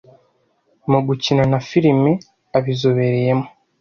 Mu gukina na firime abizobereyemo